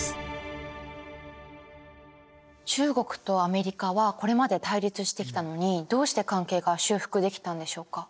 中国とアメリカはこれまで対立してきたのにどうして関係が修復できたんでしょうか？